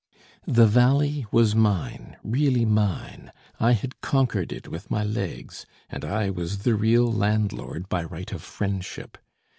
The valley was mine, really mine; I had conquered it with my legs, and I was the real landlord by right of friendship.